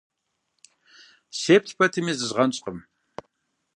Сеплъ пэтми, зызгъэнщӏкъым.